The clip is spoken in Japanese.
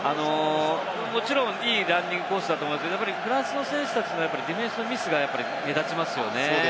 もちろんランニングコースだったと思うんですけれども、フランスの選手たちのディフェンスのミスが目立ちますよね。